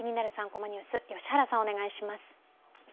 ３コマニュース」、良原さん、お願いします。